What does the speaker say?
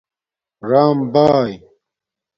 رام بائئ